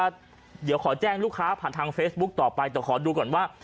เดี๋ยวขอแจ้งลูกค้าผ่านทางเฟซบุ๊คต่อไปแต่ขอดูก่อนว่า